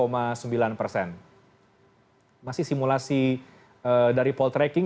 masih simulasi dari poll tracking